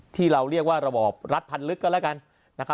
ที่เราเรียกว่าระบอบรัฐพันลึกก็แล้วกัน